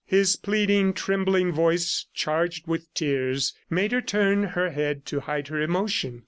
His pleading, trembling voice charged with tears made her turn her head to hide her emotion.